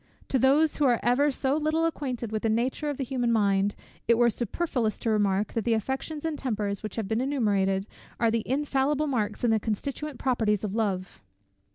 To those who are ever so little acquainted with the nature of the human mind, it were superfluous to remark, that the affections and tempers which have been enumerated, are the infallible marks and the constituent properties of Love.